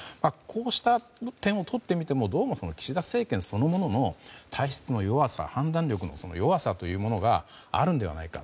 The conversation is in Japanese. こうした点を取ってみてもどうも岸田政権そのものの体質の弱さ判断力の弱さというものがあるのではないか。